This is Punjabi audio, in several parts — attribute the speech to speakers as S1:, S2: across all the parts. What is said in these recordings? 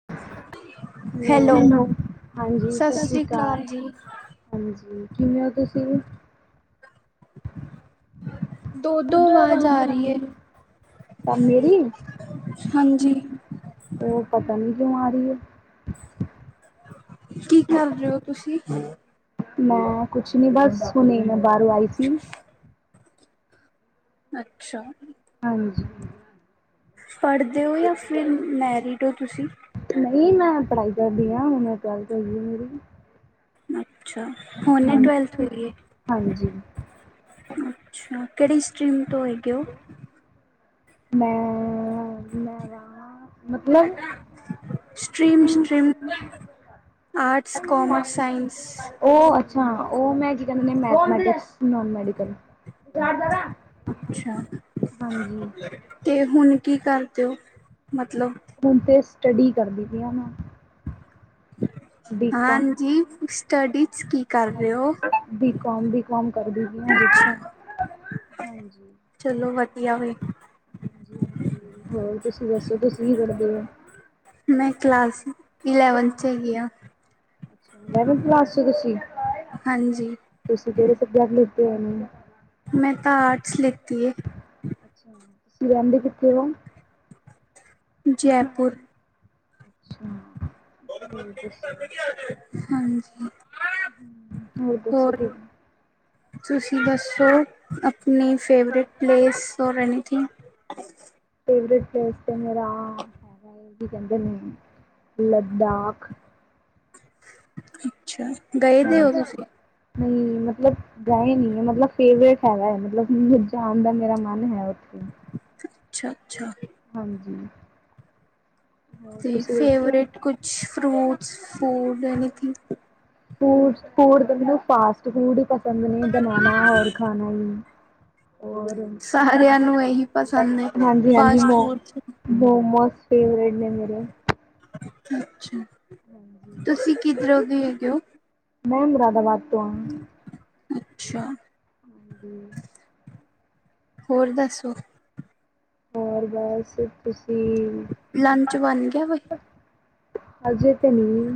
S1: ਹ [unintelligible]
S2: ਹੈਲੋੋ ਹਾਂਜੀ ਸਤਿ ਸ੍ਰੀ ਅਕਾਲ। ਹਾਂਜੀ ਕਿਵੇਂ ਹੋ ਤੁਸੀਂ।
S1: ਦੋ ਦੋ ਅਵਾਜ਼ ਆ ਰਹੀ ਏ।
S2: ਮੇਰੀ। ਉਹ ਪਤਾ ਨੀ ਕਿਉਂ ਆ ਰਹੀ ਏ।
S1: ਕੀ ਕਰ ਰਹੇ ਓ ਤੁਸੀਂ।
S2: ਮੈਂ ਕੁਛ ਨੀ ਬਸ ਹੁਣੀ ਮੈਂ ਬਾਹਰੋਂ ਆਈ ਸੀ।
S1: ਅੱਛਾ।
S2: ਹਾਂਜੀ।
S1: ਪੜ੍ਹਦੇ ਓ ਯਾ ਫਿਰ ਮੈਰਿਡ ਓ ਤੁਸੀ?
S2: ਨਈ ਮੈਂ ਪੜਾਈ ਕਰਦੀ ਆਂ, ਹੁਨ ਮੈਂ ਟਵੈਲਥ ਹੋਈ ਏ ਮੇਰੀ।
S1: ਅੱਛਾ, ਹੋਨੇ ਟਵੈਲਥ ਹੋਈਏ। ਅੱਛਾ, ਕੇੜੀ ਸਟਰੀਮ ਤੋਂ ਹੈਗੇ ਓ?
S2: ਮੈਂ
S1: ਸਟ੍ਰੀਮ-ਸਟ੍ਰੀਮ ਆਟਸ, ਕੋਮਰਸ, ਸਾਇਨਸ
S2: ਓ ਅੱਛਾ ਓ ਮੈਂ ਕੀ ਕੈਂਦੇ ਨੇ ਮੈਥ ਮੈਟਿਕਸ ਨੋਨ ਮੈਡੀਕਲ
S1: ਅੱਛਾ, ਤੇ ਹੁਨ ਕੀ ਕਾਰਦੇ ਓ ਮਤਲਬ?
S2: ਹੁਨ ਤੇ ਸਟੱਡੀ ਕਰਦੀ ਪਈ ਆਂ, ਮੈਂ।
S1: ਹਾਂਜੀ, ਸਟੱਡੀ ਚ ਕੀ ਕਾਰਦੇ ਓ, ਅੱਛਾ। ਚਲੋ, ਵਦੀਆ ਵੇ।
S2: ਹਾਂ, ਹੋਰ ਤੁਸੀ ਦੱਸੋ ਤੁਸੀ ਕੀ ਕਰਦੇ ਓ?
S1: ਮੈਂ ਕਲਾਸ ਇਲੇਵਨਥ ਚ ਹੈਗੀ ਆਂ।
S2: ਅੱਛਾ, ਇਲੇਵਨਥ ਕਲਾਸ ਚ ਓ ਤੁਸੀ, ਤੁਸੀ ਕੇੜੇ ਸਬਜੈਕਟ ਲਿੱਤੇ ਹੋਏ ਨੇ?
S1: ਮੈਂ ਤਾਂ ਆਰਟਸ ਲਿੱਤੀ ਏ।
S2: ਤੁਸੀ ਰੈੱਦੇ ਕਿੱਥੇ ਓ?
S1: ਜੈਪੁਰ।
S2: ਅੱਛਾ, ਹੋਰ ਦੱਸੋ
S1: ਹਾਂਜੀ।
S2: ਹਾਂਜੀ, ਹੋਰ ਦੱਸੋ ਤੁਹੀ
S1: ਤੁਸੀ ਦੱਸੋ, ਅਪਨੀ ਫੇਵਰੇਟ ਪਲੇਸ ਔਰ ਐਨੀਥਿਂਗ
S2: ਫੇਵਰੇਟ ਪਲੇਸ ਤੇ ਮੇਰਾ ਹੈਗਾ ਏ, ਕੀ ਕੈਂਦੇ ਨੇ ਲੱਦਾਖ
S1: ਅੱਛਾ, ਗਏ ਦੇ ਓ ਤੁਸੀ?
S2: ਨਈ, ਮਤਲਬ ਗਏ ਨੀ ਐ ਮਤਲਬ ਫੇਵਰੇਟ ਹੈਗਾ ਏ ਮਤਲਬ ਜਾਨ ਦਾ ਮੇਰਾ ਮਨ ਹੈ ਓਥੇ
S1: ਅੱਛਾ-ਅੱਛਾ।
S2: ਹਾਂਜੀ।
S1: ਤੇ ਫੇਵਰੇਟ ਕੁਛ ਫਰੂਟਸ, ਫੂਡ ਐਨੀਥਿੰਗ
S2: ਫ ਫੂਡ ਮੈਨੂੰ ਫਾਸਟ ਫੂਡ ਈ ਪਸੰਦ ਨੇ, ਬਨਾਨਾ ਓਰ ਖਾਨਾ ਵੀ। ਔਰ
S1: ਸਾਰੇਆਂ ਨੂੰ ਐਹੀ ਪਸੰਦ ਏ ਫਾਸਟ-ਫੂਡ ਚ
S2: ਮੋਮੋਸ ਫੇਵਰੇਟ ਨੇ, ਮੇਰੇ।
S1: ਅੱਛਾ। ਤੁਸੀਂ ਕਿੱਧਰੋਂ ਦੇ ਹੈਗੇ ਓ? ਅੱਛਾ।
S2: ਹਾਂਜੀ।
S1: ਹੋਰ ਦੱਸੋ
S2: ਹੋਰ, ਬਾੱਸ ਤੁਸੀ
S1: ਲੰਚ ਬਨ ਗੇਆ ਵੇ?
S2: ਅਜੇ ਤੇ ਨੀ,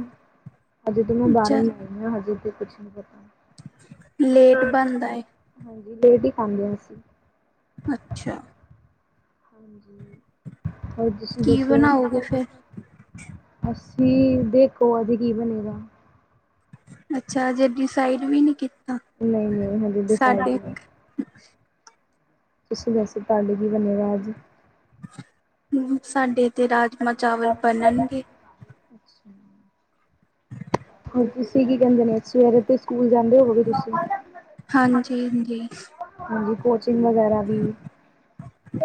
S2: ਹਜੇ ਤਾਂ ਮੈਂ ਬਾਰੋਂ ਈ ਆਈ ਆਂ ਹਜੇ ਤੇ ਕੁਛ ਨੀ ਪਤਾ।
S1: ਲੇਟ ਬਨਦਾ ਏ?
S2: ਹਾਂਜੀ ਲੇਟ ਹੀ ਖਾਂਦੇ ਹਾਂ ਅਸੀਂ।
S1: ਅੱਛਾ।
S2: ਹਾਂਜੀ ਹੋਰ ਤੁਸੀਂ ਦੱਸੋ। ਅਸੀਂ ਦੇਖੋ ਅੱਜ ਕੀ ਬਣੇਗਾ।
S1: ਅੱਛਾ ਹਜੇ ਡਿਸਾਈਡ ਵੀ ਨੀ ਕੀਤਾ ਸਾਡੇ
S2: ਤੁਸੀਂ ਦੱਸੋ ਤੁਹਾਡੇ ਵੀ ਬਣਿਆ ਅੱਜ਼
S1: ਨਹੀਂ ਸਾਡੇ ਇੱਥੇ ਤੇ ਰਾਜਮਾਂ ਚਾਵਲ ਬਣਨਗੇ।
S2: [inaudible] ਹੋਰ ਤੁਸੀਂ ਕੀ ਕਹਿੰਦੇ ਨੇ ਸਵੇਰੇ ਤੇ ਸਕੂਲ ਜਾਂਦੇ ਹੋਵੋਗੇ ਤੁਸੀਂ
S1: ਹਾਂਜੀ ਹੁੰਦੀ ਆ।
S2: ਹਾਂਜੀ ਕੋਚਿੰਗ ਵਗੈਰਾ ਵੀ [inaudible]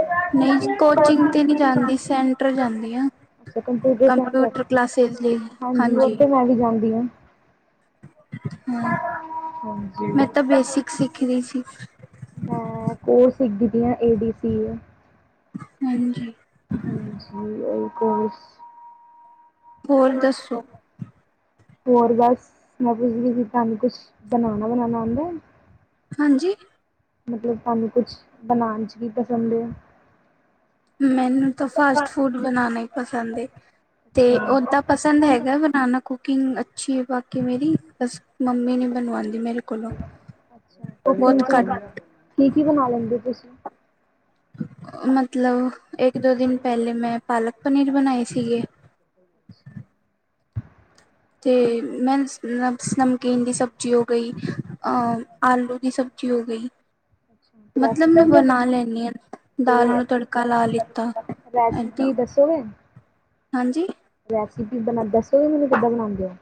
S2: ਤੇ ਕੰਪਿਊਟਰ ਸੈਂਟਰ ਹਾਂਜੀ ਏਧਰ ਮੈ ਵੀ ਜਾਂਦੀ ਆ।
S1: ਹਾਂ ਮੈਂ ਤਾਂ ਬੇਸਿਕ ਸਿੱਖ ਰਈ ਸੀ।
S2: ਮੈਂ ਉਹ ਸਿੱਖਦੀ ਪਈ ਆਂ ਏ ਬੀ ਸੀ
S1: ਹਾਂਜੀ।
S2: ਹਾਂਜੀ ਆਈ ਕੋਰਸ
S1: ਹੋਰ ਦੱਸੋ।
S2: ਹੋਰ ਬਸ ਮਤਲਬ ਕਿ ਤੁਹਾਨੂੰ ਕੁਛ ਬਣਾਣਾ ਬਣਾਉਣਾ ਆਂਦਾ।
S1: ਹਾਂਜੀ
S2: ਮਤਲਬ ਤੁਹਾਨੂੰ ਕੁਛ ਬਣਾਉਣ ਚ ਕੀ ਪਸੰਦ ਏ
S1: ਮੈਨੂੰ ਤਾਂ ਫਾਸਟ ਫੂਡ ਬਣਾਣਾ ਈ ਪਸੰਦ ਏ। ਤੇ ਓਦਾਂ ਪਸੰਦ ਹੈਗਾ ਬਣਾਣਾ ਕੁਕਿੰਗ ਅੱਛੀ ਹੈ ਬਾਕੀ ਮੇਰੀ ਬਸ ਮੰਮੀ ਨੀ ਬਣਵਾਦੀ ਮੇਰੇ ਕੋਲੋਂ ਬਹੁਤ ਘੱਟ
S2: ਕੀ-ਕੀ ਬਣਾ ਲੈਂਦੇ ਹੋ ਤੁਸੀਂ।
S1: ਮਤਲਬ ਇੱਕ ਦੋ ਦਿਨ ਪਹਿਲੇ ਮੈਂ ਪਾਲਕ ਪਨੀਰ ਬਣਾਏ ਸੀਗੇ।
S2: [inaudible]
S1: ਤੇ ਮੈਂਨਸ ਨਟਸ ਨਮਕੀਨ ਦੀ ਸਬਜ਼ੀ ਹੋ ਗਈ ਆ ਆਲੂ ਦੀ ਸਬਜ਼ੀ ਹੋ ਗਈ। ਮਤਲਬ ਮੈਂ ਬਣਾ ਲੈਂਨੀ ਹਾਂ ਦਾਲ ਨੂੰ ਤੜਕਾ ਲਾ ਲਿੱਤਾ।
S2: ਰੈਸਿਪੀ ਦੱਸੋਗੇ।
S1: ਹਾਂਜੀ
S2: ਰੈਸਿਪੀ ਭਲਾ ਦੱਸੋਗੇ ਕਿਦਾ ਬਣਾਉਂਦੇ ਹੋ।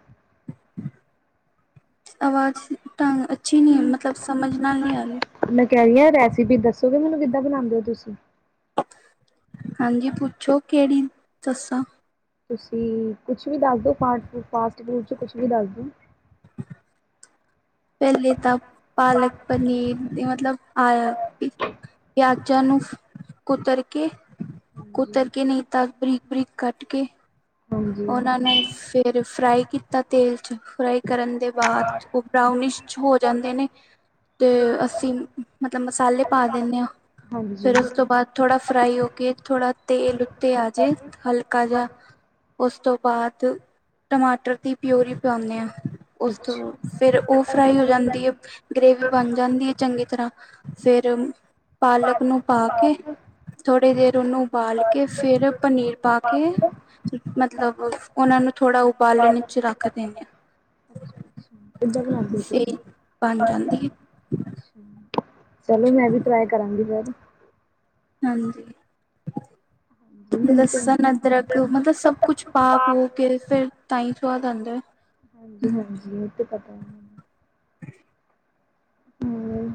S1: ਆਵਾਜ਼ ਢੰਗ ਅੱਛੀ ਨਹੀ ਮਤਲਬ ਸਮਝ ਨਾਲ ਨਹੀਂ ਆ ਰੀ
S2: ਹਾਂ ਮੈਂ ਕਹਿ ਰਹੀ ਹਾਂ ਰੈਸਪੀ ਦੱਸੋਗੇ ਮੈਨੂੰ ਕਿੱਦਾਂ ਬਣਾਉਂਦੇ ਹੋ ਤੁਸੀਂ।
S1: ਹਾਂਜੀ ਪੁੱਛੋ ਕਿਹੜੀ ਦੱਸੋ
S2: ਤੁਸੀਂ ਕੁਛ ਵੀ ਦੱਸ ਦੋ ਫਾਸ ਫਾਸਟ ਫੂਡ ਚ ਕੁਛ ਵੀ ਦੱਸ ਦਿਉ।
S1: [inaudible] ਪਹਿਲੇ ਤਾਂ ਪਾਲਕ ਪਨੀਰ ਮਤਲਬ ਆਇਆ ਪਿਆਜ਼ਾਂ ਨੂੰ ਕੁਤਰ ਕੇ ਕੁਤਰ ਕੇ ਨਹੀਂ ਤਾਂ ਬਰੀਕ- ਬਰੀਕ ਕੱਟ ਕੇ ਉਹਨਾਂ ਨੂੰ ਫਿਰ ਫਰਾਈ ਕੀਤਾ ਤੇਲ ਚ ਫਰਾਈ ਕਰਨ ਦੇ ਬਾਅਦ ਉਹ ਤਾਂ ਬਰਾਉਨਿਸ਼ ਹੋ ਜਾਂਦੇ ਨੇ ਤੇ ਅਸੀਂ ਮਤਲਬ ਮਸਾਲੇ ਪਾ ਦਿੰਨੇ ਹਾਂ। ਫਿਰ ਉਸ ਤੋਂ ਬਾਅਦ ਥੋੜਾ ਫਰਾਈ ਹੋ ਕੇ ਥੋੜਾ ਤੇਲ ਉੱਤੇ ਆ ਜੇ ਹਲਕਾ ਜਿਹਾ ਉਸ ਤੋਂ ਬਾਅਦ ਟਮਾਟਰ ਦੀ ਪਿਓਰੀ ਪਿਆਉਂਦੇ ਆ ਉਸ ਤੋਂ ਫੇਰ ਉਹ ਫਰਾਈ ਹੋ ਜਾਂਦੀ ਏ ਗ੍ਰੇਵੀ ਬਣ ਜਾਂਦੀ ਏ ਚੰਗੀ ਤਰ੍ਹਾਂ ਫੇਰ ਪਾਲਕ ਨੂੰ ਪਾ ਕੇ ਥੋੜ੍ਹੀ ਦੇਰ ਉਹਨੂੰ ਉਬਾਲ ਕੇ ਫੇਰ ਪਨੀਰ ਪਾ ਕੇ ਮਤਲਬ ਉਹਨਾਂ ਨੂੰ ਥੋੜ੍ਹਾ ਉਬਾਲਣ ਇੱਚ ਰੱਖ ਦਿੰਣੇ ਆ
S2: ਕਿਧਰ ਰਹਿਂਦੇ ਹੋ ਤੁਸੀ ਤਰਨਤਾਰਨ ਅੱਛਾ ਚਲੋ ਮੈਂ ਵੀ ਟਰਾਈ ਕਰਾਂਗੀ ਫੇਰ
S1: ਹਾਂਜੀ ਲਸਣ ਅਦਰਕ ਮਤਲਬ ਸਭ ਕੁੱਛ ਪਾ ਪੂ ਕੇ ਫਿਰ ਤਾਂ ਹੀ ਸੁਵਾਦ ਆਂਦੈ
S2: ਹਾਂਜੀ ਹਾਂਜੀ ਇਹ ਤੇ ਪਤਾ ਮੈਨੂੰ
S1: [inaudible]
S2: ਹਮ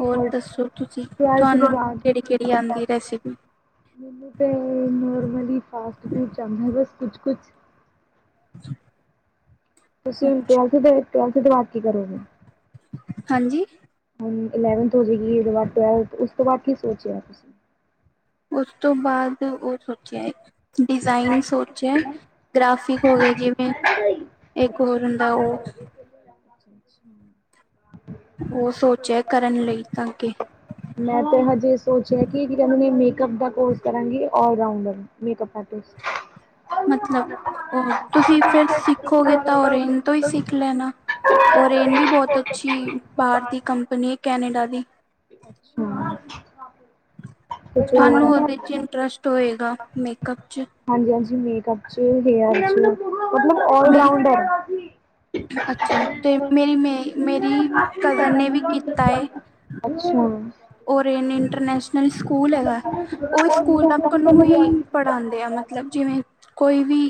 S1: ਹੋਰ ਦੱਸੋ ਤੁਸੀਂ ਤੁਹਾਨੂੰ ਕਿਹੜੀ ਕਿਹੜੀ ਆਉਂਦੀ ਹੈ ਰੈਸਿਪੀ
S2: ਮੈਨੂੰ ਤੇ ਨੋਰਮਲੀ ਫਾਸਟ ਫੂਡ ਚ ਆਉਂਦੈ ਬਸ ਕੁੱਛ ਕੁੱਛ
S1: [inaudible]
S2: ਤੁਸੀਂ [unintelligible]
S1: ਹਾਂਜੀ
S2: ਹੁਣ ਇਲੈਵੰਥ ਹੋ ਜਾਏਗੀ ਉਦੋਂ ਬਾਅਦ ਟਵੈਲਖ ਉਸ ਤੋਂ ਬਾਅਦ ਕੀ ਸੋਚਿਆ ਤੁਸੀਂ
S1: ਉਸ ਤੋਂ ਬਾਅਦ ਉਹ ਸੋਚਿਆ ਡਿਜ਼ਾਇਨ ਸੋਚਿਆ [unintelligible] ਟਾਫਿਕ ਹੋ ਗੇ ਜਿਵੇਂ ਇੱਕ ਹੋਰ ਹੁੰਦਾ ਉਹ
S2: ਅੱਛਾ
S1: ਉਹ ਸੋਚਿਆ ਕਰਨ ਲਈ ਤਾਂ ਕੇ
S2: ਮੈਂ ਤੇ ਹਜੇ ਸੋਚਿਆ ਕਿ ਵੀ [unintelligible] ਮੇਕਅੱਪ ਦਾ ਕੋਰਸ ਕਰਾਂਗੀ ਔਲਰਾਊਂਡਰ ਮੇਕਅੱਪ ਆਰਟੀਸਟ
S1: ਮਤਲਬ ਉਹ ਤੁਸੀਂ ਫੇਰ ਸਿੱਖੋਗੇ ਤਾਂ ਔਰੈਨ ਤੋਂ ਹੀ ਸਿੱਖ ਲ ਲੈਣਾ ਔਰੈਨ ਵੀ ਬਹੁਤ ਅੱਛੀ ਬਾਹਰ ਦੀ ਕੰਪਨੀ ਏ ਕੈਨੇਡਾ ਦੀ
S2: ਅੱਛਾ
S1: ਤੁਹਾਨੂੰ ਉਹਦੇ ਚ ਇੰਟਰਸਟ ਹੋਏਗਾ ਮੇਕਅੱਪ ਚ
S2: ਹਾਂਜੀ ਹਾਂਜੀ ਮੇਕਅੱਪ ਚ ਹੇਅਰ ਚ ਮਤਲਬ ਔਲਰਾਊਡਰ ਹੈ
S1: ਅੱਛਾ ਤੇ ਮੇਰੀ ਮੇ ਮੇਰੀ ਕਜ਼ਨ ਨੇ ਵੀ ਕੀਤਾ ਏ
S2: ਅੱਛਾ
S1: ਔਰੈਨ ਇੰਟਰਨੈਸ਼ਨਲ ਸਕੂਲ ਹੈਗਾ ਉਹ ਸਕੂਲ [unintelligible] ਨੂੰ ਹੀ ਪੜ੍ਹਾਂਦੇ ਆ ਮਤਲਬ ਜਿਵੇਂ ਕੋਈ ਵੀ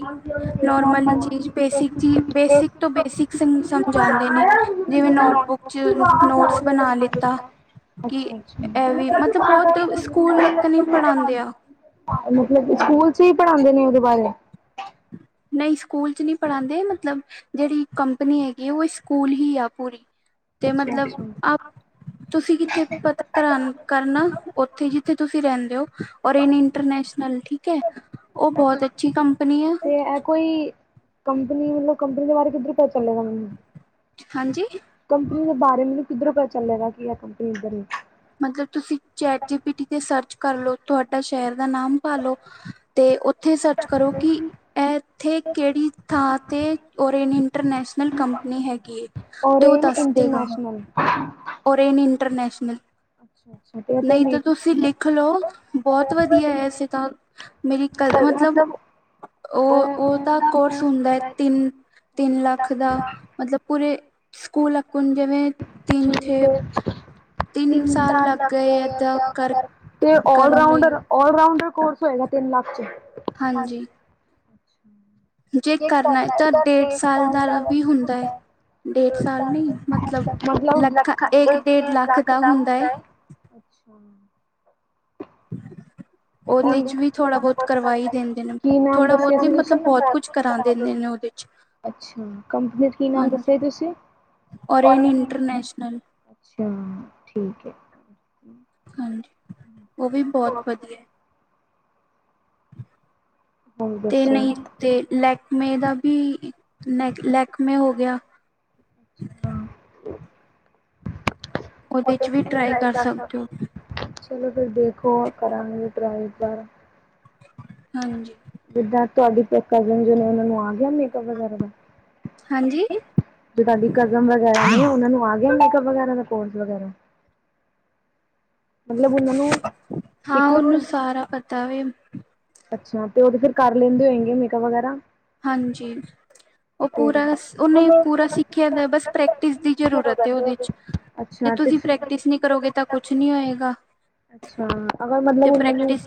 S1: ਨੋਰਮਲੀ ਚੀਜ਼ ਬੇਸਿਕ ਜੀ ਬੇਸਿਕ ਤੋਂ ਬੇਸਿਕ ਹਮ ਸਮਝਾਉਂਦੇ ਨੇ ਜਿਵੇਂ ਨੋਟਬੁੱਕ ਚ ਨੋਟਸ ਬਣਾ ਲਿੱਤਾ
S2: ਅੱਛਾ ਅੱਛਾ [unintelligible] ਮਤਲਬ ਕਿ ਸਕੂਲ ਚ ਹੀ ਪੜ੍ਹਾਉਂਦੇ ਨੇ ਉਹਦੇ ਬਾਰੇ
S1: ਨਹੀਂ ਸਕੂਲ ਚ ਨਹੀਂ ਪੜ੍ਹਾਂਦੇ ਮਤਲਬ ਜਿਹੜੀ ਕੰਪਨੀ ਹੈਗੀ ਉਹ ਸਕੂਲ ਹੀ ਆ ਪੂਰੀ ਤੇ ਮਤਲਬ ਆ ਤੁਸੀਂ ਕਿੱਥੇ ਪਤਾ ਕਰਾਨ ਕਰਨਾ ਉੱਥੇ ਜਿੱਥੇ ਤੁਸੀਂ ਰਹਿੰਦੇ ਹੋ ਔਰੈਨ ਇੰਟਰਨੈਸ਼ਨਲ ਠੀਕ ਹੈ ਉਹ ਬਹੁਤ ਅੱਛੀ ਕੰਪਨੀ ਐ
S2: ਤੇ ਏਹ ਕੋਈ ਕੰਪਨੀ ਮਤਲਬ ਕੰਪਨੀ ਦੇ ਬਾਰੇ ਕਿੱਧਰ ਪਤਾ ਚੱਲੇਗਾ ਮੈਨੂੰ
S1: ਹਾਂਜੀ
S2: ਕੰਪਨੀ ਦੇ ਬਾਰੇ ਮੈਨੂੰ ਕਿੱਧਰੋਂ ਪਤਾ ਚੱਲੇਗਾ ਕੀ ਏਹ ਕੰਪਨੀ ਇੱਧਰ ਏ
S1: ਮਤਲਬ ਤੁਸੀਂ ਚੈਟ ਜੀ ਪੀ ਟੀ ਤੇ ਸਰਚ ਕਰ ਲਓ ਤੁਹਾਡਾ ਸ਼ਹਿਰ ਦਾ ਨਾਮ ਪਾਲੋ 'ਤੇ ਉੱਥੇ ਸਰਚ ਕਰੋ ਕੀ ਐਥੇ ਕੇੜੀ ਥਾਂ 'ਤੇ ਓਰੇਨ ਇੰਟਰਨੈਸ਼ਨਲ ਕੰਪਨੀ ਹੈਗੀ ਏ।
S2: ਓਰੇਨ ਇੰਟਰਨੈਸ਼ ਨਲ।
S1: ਓਰੇਨ ਇੰਟਰਨੈਸ਼ਨਲ। ਨਈ ਤਾਂ ਤੁਸੀਂ ਲਿਖ ਲੋ ਬੋਤ ਵਧੀਆ ਐਸੇ ਤਾਂ ਮੇਰੀ ਕਜ ਮਤਲਬ ਓ, ਓ ਤਾਂ ਕੋਰਸ ਹੁੰਦਾ ਐ ਤਿੰਨ ਤਿੰਨ ਲੱਖ ਦਾ ਮਤਲਬ ਪੂਰੇ ਸਕੂਲ ਅਕੁਨ ਜਿਵੇਂ ਤਿੰਨ
S2: ਤੇ ਤਿੰਨ ਸਾਲ ਲੱਗ ਗਏ ਆ ਤੇ ਓਲ ਰਾਊਂਡਰ ਐੱਲਰਾਊਂਡਰ ਕੋਰਸ ਹੋਏਗਾ ਤਿੰਨ ਲੱਖ 'ਚ।
S1: ਹਾਂਜੀ।
S2: ਜੇ ਕਰਨਾ ਤਾਂ ਡੇਢ ਸਾਲ ਦਾ ਕੀ ਹੁੰਦਾ ਐ। ਮਤਲਬ ਲੱਖਾਂ ਇੱਕ ਡੇਢ ਲੱਖ ਦਾ ਹੁੰਦਾ ਏ। ਅੱਛਾ। ਕੀ ਨਾਮ ਦੱਸਿਆ ਸੀ ਤੁਸੀਂ? ਅੱਛਾ ਕੰਪਨੀ 'ਚ ਕੀ ਨਾਮ ਦੱਸਿਆ ਈ ਤੁਸੀਂ?
S1: ਓਰੇਨ ਇੰਟਰਨੈਸ਼ਨਲ।
S2: ਅੱਛਾ ਠੀਕ ਏ।
S1: ਹਾਂਜੀ ਓ ਵੀ ਬੋਤ ਵਧੀਆ। ਤੇ ਨਈ 'ਤੇ ਲੈਕਮੇ ਦਾ ਵੀ ਨੈਕ ਲੈਕਮੇ ਹੋ ਗਿਆ
S2: ਅੱਛਾ। ਉਦੇ ਚ ਵੀ ਟਰਾਈ ਕਰ ਸਕਦੇ ਓ, ਚਲੋ ਫਿਰ ਦੇਖੋ ਕਰਾਂਗੇ ਟਰਾਈ ਤਾਂ।
S1: ਹਾਂਜੀ।
S2: ਜਿੱਦਾਂ ਤੁਹਾਡੀ ਕਜ਼ਨ ਜੋ ਨੇ ਉਨਾਂ ਨੂੰ ਆ ਗਿਆ ਮੇਕਅਪ ਵਗੈਰਾ ਦਾ।
S1: ਹਾਂਜੀ।
S2: ਜੋ ਤੁਹਾਡੀ ਕਜ਼ਮ ਵਗੈਰਾ ਨੇ ਉਨਾਂ ਨੂੰ ਆ ਗਿਆ ਮੇਕਅਪ ਵਗੈਰਾ ਦਾ, ਕੋਰਸ ਵਗੈਰਾ।
S1: ਹਾਂ ਉਨੂੰ ਸਾਰਾ ਪਤਾ ਵੇ।
S2: ਅੱਛਾ ਤੇ ਓ ਤੇ ਫਿਰ ਕਰ ਲੈਂਦੇ ਹੋਏਗੇ ਮੇਕਅਪ ਵਗੈਰਾ।
S1: ਹਾਂਜੀ। ਓ ਪੂਰਾ ਸ ਉਨੇ ਪੂਰਾ ਸਿੱਖਿਆ ਦੇ ਬਸ ਪ੍ਰੈਕਟਿਸ ਦੀ ਜ਼ਰੂਰਤ ਏ ਉਦੇ 'ਚ।
S2: ਅੱਛਾ ਤੇ
S1: ਪ੍ਰੈਕਟਿਸ ਨੀ ਕਰੋਗੇ ਤਾਂ ਕੁਛ ਨੀ ਹੋਏਗਾ।
S2: ਅੱਛਾ ਅਗਰ ਮਤਲਬ ਉਨਾਂ ਨੂੰ,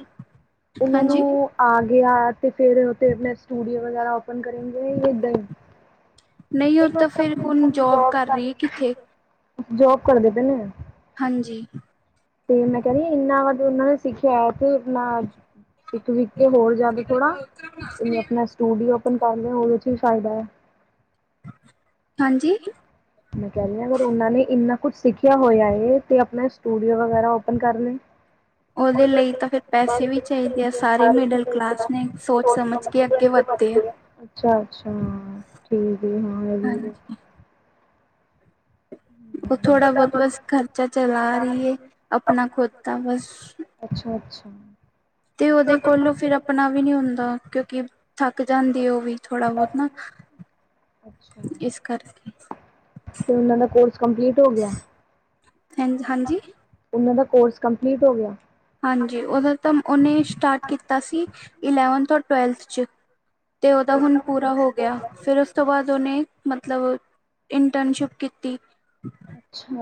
S2: ਉਨਾਂ ਨੂੰ ਆ ਗਿਆ ਤੇ ਫਿਰ ਓ ਤੇ ਮੈਂ ਸਟੂਡੀਓ ਵਗੈਰਾ ਓਪਨ ਕਰੇਗੇ ਜਾਂ ਏਦਾ ਈ।
S1: ਨਈ ਓ ਤਾਂ ਫਿਰ ਹੁਣ ਜੋਬ ਕਰ ਰਈ ਕਿੱਥੇ।
S2: ਜੋਬ ਕਰਦੇ ਪੇ ਨੇ।
S1: ਹਾਂਜੀ।
S2: ਤੇ ਮੈਂ ਕੈ ਰੀਆ ਇੰਨਾ ਵਧ ਉਨਾਂ ਨੇ ਸਿੱਖਿਆ ਤੇ ਨਾਜ ਸਿੱਖ ਵਿਖ ਕੇ ਹੋਰ ਜਿਆਦਾ ਥੋੜਾ ਆਪਣਾ ਸਟੂਡੀਓ ਓਪਨ ਕਰ ਲਿਆ ਉਦੇ 'ਚ ਵੀ ਫਾਇਦਾ ਐ।
S1: ਹਾਂਜੀ।
S2: ਮੈਂ ਕੈ ਰੀਆ ਅਗਰ ਉਨਾਂ ਨੇ ਇੰਨਾ ਕੁਛ ਸਿੱਖਿਆ ਹੋਇਆ ਏ ਤਾਂ ਆਪਣਾ ਸਟੂਡੀਓ ਵਗੈਰਾ ਓਪਨ ਕਰ ਲੈਣ।
S1: [inaudible] ਉਦੇ ਲਈ ਤਾਂ ਫਿਰ ਪੈਸੇ ਵੀ ਚਾਈਦੇ ਐ ਸਾਰੇ ਮਿਡਲ ਕਲਾਸ ਨੇ ਸੋਚ ਸਮਝ ਅੱਗੇ ਵ ਤੇ
S2: ਅੱਛਾ-ਅੱਛਾ ਠੀਕ ਏ ਹੁਣ ਏ ਵੀਰ
S1: ਉਹ ਥੋੜਾ ਬੋਤ ਬਸ ਖਰਚਾ ਚਲਾ ਰਹੀ ਏ ਆਪਣਾ ਖੁਦ ਕਾ ਬਸ।
S2: ਅੱਛਾ ਅੱਛਾ।
S1: ਤੇ ਉਹਦੇ ਕੋਲੋਂ ਫਿਰ ਆਪਣਾ ਵੀ ਨਈ ਹੁੰਦਾ ਕਿਉਂਕਿ ਥੱਕ ਜਾਂਦੀ ਏ ਉਹ ਵੀ ਥੋੜਾ ਬਹੁਤ ਨਾ।
S2: ਅੱਛਾ। ਤੇ ਉਹਨਾਂ ਦਾ ਕੋਰਸ ਕੰਪਲੀਟ ਹੋ ਗਿਆ? ਹਾਂਜੀ, ਉਹਨਾਂ ਦਾ ਕੋਰਸ ਕੰਪਲੀਟ ਹੋ ਗਿਆ?
S1: ਹਾਂਜੀ ਉਹਦਾ ਤਾਂ ਉਹਨੇ ਸਟਾਰਟ ਕੀਤਾ ਸੀ, ਇਲੈਵਨਥ ਔਰ ਟਵੈਲਥ ਚ' ਤੇ ਉਹਦਾ ਹੁਣ ਪੂਰਾ ਹੋ ਗਿਆ ਫੇਰ ਉਸ ਤੋਂ ਬਾਅਦ ਉਹਨੇ ਮਤਲਬ, ਇੰਟਰਨਸ਼ਿਪ ਕੀਤੀ।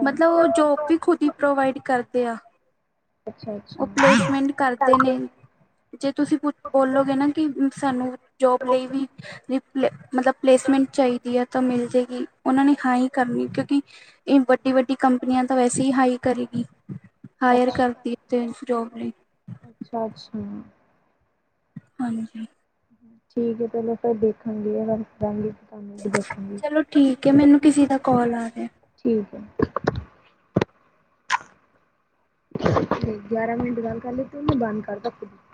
S1: ਮਤਲਬ ਉਹ ਜੋਬ ਵੀ ਖੁਦ ਹੀ ਪ੍ਰੋਵਾਈਡ ਕਰਦੇ ਆ।
S2: ਅੱਛਾ- ਅੱਛ।
S1: ਉਹ ਪਲੇਸਮੈਂਟ ਕਰਦੇ ਨੇ ਜੇ ਤੁਸੀਂ ਬੋਲੋਗੇ ਨਾ ਕਿ ਸਾਨੂੰ ਜੋਬ ਲਈ ਵੀ ਪਲੈ ਮਤਲਬ ਪਲੇਸਮੈਂਟ ਚਾਈਦੀ ਐ ਤਾਂ ਮਿਲ ਜਾਏਗੀ ਉਹਨਾਂ ਨੇ ਹਾਂ ਹੀ ਕਰਨੀ ਕਿਉਂਕਿ ਇਹ ਵ ਈ ਵੱਡੀ ਕੰਪਨੀਆਂ ਤਾਂ ਵੈਸੇ ਹੀ ਹਾਈ ਕਰੇਗੀ, ਹਾਇਰ ਕਰਦੀ ਜੋਬ ਲਈ
S2: ਅੱਛਾ- ਅੱਛਾ।
S1: ਹਾਂਜੀ
S2: ਠੀਕ ਪਹਿਲਾਂ ਇੱਕ ਵਾਰੀ ਦੇਖਾ ਗੇ ਮੈ ਫਿਰ ਕਰਾਗੀ।
S1: ਚਲੋ ਠੀਕ ਐ। ਮੈਨੂੰ ਕਿਸੇ ਦਾ ਕੋਲ ਆ ਰਿਹਾ।
S2: ਠੀਕ ਹੈ। ਗਿਆਰਾਂ ਮਿੰਟ ਗੱਲ ਕਰ ਲਈ ਤੀ ਉਹਨੂੰ ਬੰਦ ਕਰ ਉਪਰ ਦੀ